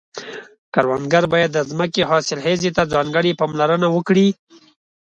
کروندګر باید د ځمکې حاصلخیزي ته ځانګړې پاملرنه وکړي.